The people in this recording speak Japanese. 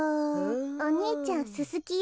お兄ちゃんススキよ。